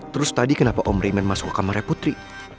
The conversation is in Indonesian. terus tadi kenapa om reman masuk ke kamarnya putri